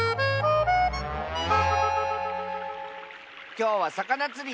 きょうはさかなつり！